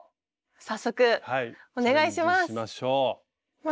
早速お願いします！